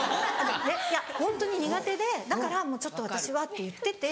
いやホントに苦手でだから「ちょっと私は」って言ってて。